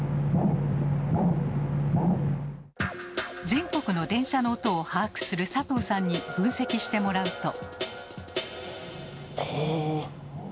全国の電車の音を把握する佐藤さんに分析してもらうと。